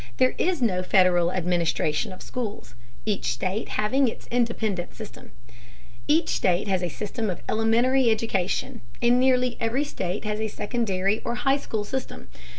There is no Federal administration of schools, each state having its independent system. Each state has a system of elementary education, and nearly every state has a secondary or high school system.